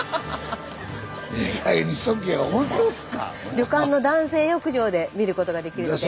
旅館の男性浴場で見ることができるので。